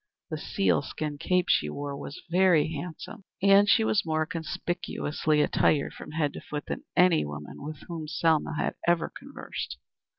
The seal skin cape she wore was very handsome, and she was more conspicuously attired from head to foot than any woman with whom Selma had ever conversed.